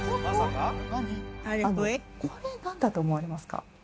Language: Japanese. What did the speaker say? これ何だと思われますか？